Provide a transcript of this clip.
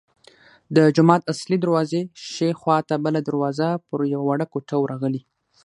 د جومات اصلي دروازې ښي خوا ته بله دروازه پر یوه وړه کوټه ورغلې.